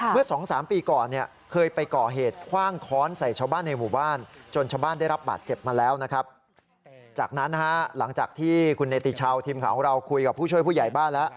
เมื่อสองสามปีก่อนเนี่ย